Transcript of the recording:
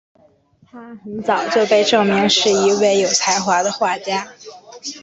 她很早就被证明是一位有才华的画家。